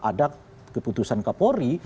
ada keputusan kepori